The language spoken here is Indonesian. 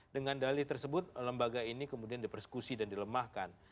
dengan dalih tersebut lembaga ini kemudian dipersekusi dan dilemahkan